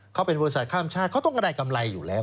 เขาเป็นบริษัทข้ามชาติเขาต้องก็ได้กำไรอยู่แล้ว